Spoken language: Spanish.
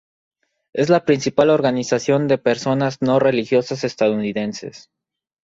Es la principal organización de personas no religiosas estadounidenses.